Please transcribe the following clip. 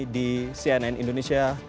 di cnn indonesia